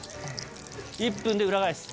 １分で裏返す。